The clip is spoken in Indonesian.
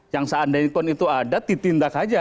yang seandainya itu ada ditindak saja